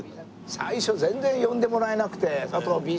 最初全然呼んでもらえなくて佐藤Ｂ作って。